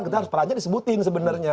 kita harus perannya disebutin sebenarnya